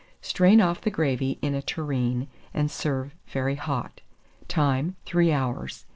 Strain off the gravy in a tureen, and serve very hot. Time. 3 hours.